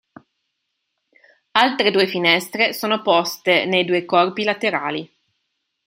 Altre due finestre sono poste nei due corpi laterali.